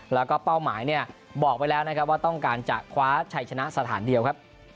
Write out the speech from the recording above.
แล้วก็เป้าหมายเนี่ยบอกไว้แล้วนะครับว่าต้องการจะคว้าชัยชนะสถานเดียวครับ